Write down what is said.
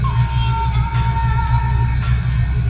আমরা তিনটি বিচ্ছিন্ন স্টকইয়ার্ড স্থান পেয়েছি।